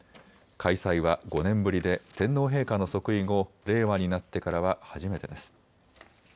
開催は５年ぶりで天皇陛下の即位後、令和になってからは初めてです。